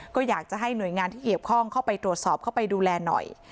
ก็อยากจะให้หน่วยงานที่เกี่ยวข้องเข้าไปตรวจสอบเข้าไปดูแลหน่อย